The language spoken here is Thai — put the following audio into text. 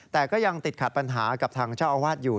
แต่ก็ยังติดขัดปัญหากับทางเจ้าอาวาสอยู่